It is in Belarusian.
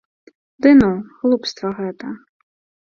Ды ну, глупства гэта.